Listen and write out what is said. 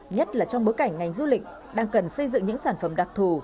nhất là trong bối cảnh ngành du lịch đang cần xây dựng những sản phẩm đặc thù